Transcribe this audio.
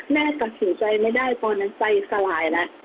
แม่สักสินใจไม่ได้เพราะฉะนั้นใจสลายแล้ว